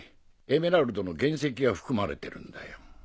エメラルドの原石が含まれてるんだよ。